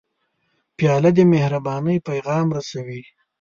پیاله د مهربانۍ پیغام رسوي.